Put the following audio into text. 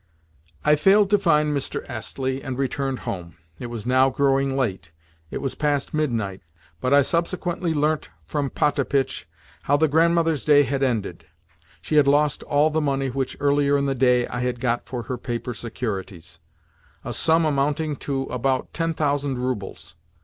I failed to find Mr. Astley, and returned home. It was now growing late—it was past midnight, but I subsequently learnt from Potapitch how the Grandmother's day had ended. She had lost all the money which, earlier in the day, I had got for her paper securities—a sum amounting to about ten thousand roubles.